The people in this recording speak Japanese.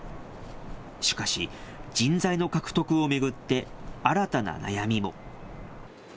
しかし、人材の獲得を巡って、新たな悩みも。